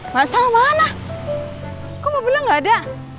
masalah mana kok mobilnya gak ada